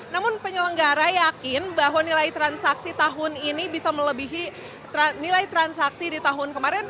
namun penyelenggara yakin bahwa nilai transaksi tahun ini bisa melebihi nilai transaksi di tahun kemarin